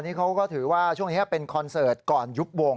นี่เขาก็ถือว่าช่วงนี้เป็นคอนเสิร์ตก่อนยุบวง